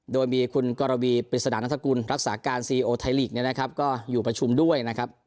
โดยมีคุณกรวีปริศนานัฐกุลรักษาการซีโอไทยลีกเนี่ยนะครับก็อยู่ประชุมด้วยนะครับ